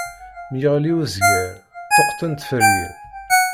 Mi yeɣli uzger, ṭṭuqqten tferyin.